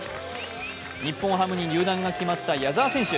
日本ハムに入団が決まった矢澤選手。